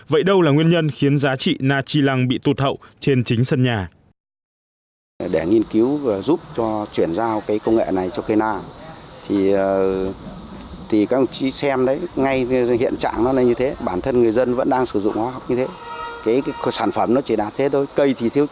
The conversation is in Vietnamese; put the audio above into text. vậy đâu là nguyên nhân khiến giá trị na chi lăng bị tụt hậu trên chính sân nhà